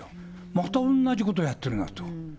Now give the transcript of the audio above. また同じことやってるなと。